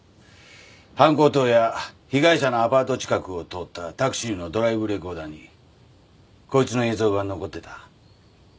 犯行当夜被害者のアパート近くを通ったタクシーのドライブレコーダーにこいつの映像が残ってた。